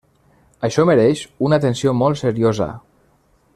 Això mereix una atenció molt seriosa.